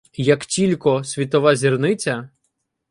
Як тілько світова зірниця